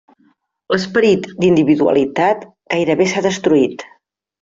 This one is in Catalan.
L'esperit d'individualitat gairebé s'ha destruït.